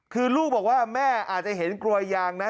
คือลูกบอกว่าแม่อาจจะเห็นกลวยยางนะ